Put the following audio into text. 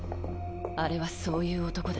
あれはそういう男だ。